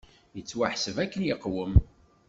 Yettwaḥseb akken iqwem!